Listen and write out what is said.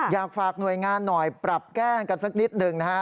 อยากฝากหน่วยงานหน่อยปรับแกล้งกันสักนิดหนึ่งนะฮะ